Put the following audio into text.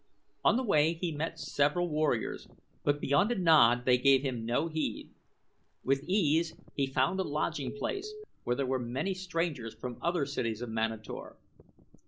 On the way he met several warriors, but beyond a nod they gave him no heed. With ease he found a lodging place where there were many strangers from other cities of Manator.